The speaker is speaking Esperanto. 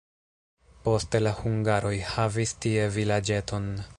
Poste la hungaroj havis tie vilaĝeton.